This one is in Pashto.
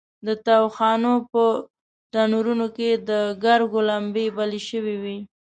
د تاوخانو په تنورونو کې د ګرګو لمبې بلې شوې وې.